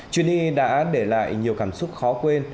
chuyến đi đã để lại nhiều cảm xúc khó quên